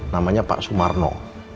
namanya pak sumarno